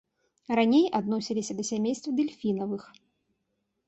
Раней адносіліся да сямейства дэльфінавых.